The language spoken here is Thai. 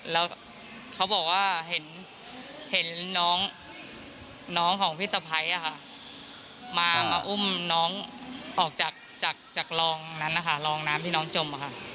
แล้วเขาบอกว่าเห็นน้องของพี่สะพัยมาอุ้มน้องออกจากรองน้ำที่น้องจม